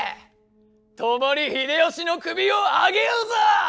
共に秀吉の首をあげようぞ！